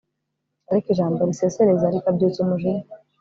ariko ijambo risesereza rikabyutsa umujinya